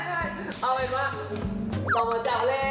เฮ้ยเอาไว้มาต้องมาจับเล่น